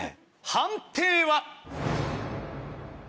判定は？